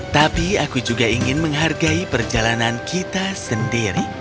tapi aku juga ingin menghargai perjalanan kita sendiri